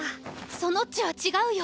そのっちは違うよ！